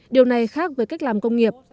điều này khác với cách làm công nghiệp